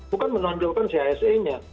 bukan menonjolkan cis nya